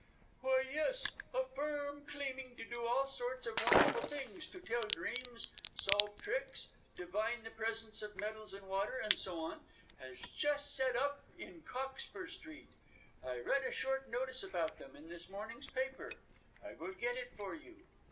"Why, yes! A firm, claiming to do all sorts of wonderful things to tell dreams, solve tricks, divine the presence of metals and water, and so on, has just set up in Cockspur Street. I read a short notice about them in this morning's paper. I will get it for you."